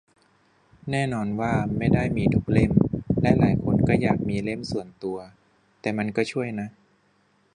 แน่นอนว่าไม่ได้มีทุกเล่ม และหลายคนก็อยากมีเล่มส่วนตัว แต่มันก็ช่วยนะ